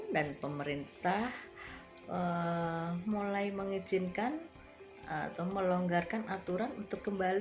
dan pemerintah mulai mengizinkan atau melonggarkan aturan untuk kembali